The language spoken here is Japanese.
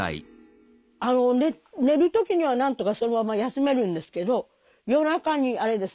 寝る時にはなんとかそのまま休めるんですけど夜中にあれですね